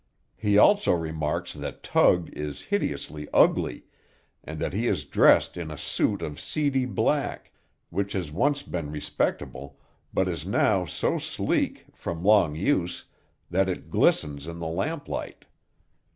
He also remarks that Tug is hideously ugly, and that he is dressed in a suit of seedy black, which has once been respectable, but is now so sleek, from long use, that it glistens in the lamplight.